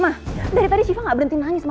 ma dari tadi siva gak berhenti nangis ma